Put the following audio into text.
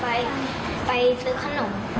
พาไปไปซื้อขนม